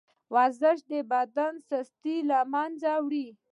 ورزش د بدن سستي له منځه وړي.